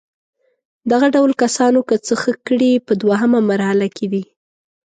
دغه ډول کسانو که څه ښه کړي په دوهمه مرحله کې دي.